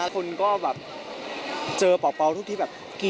คนก็แบบ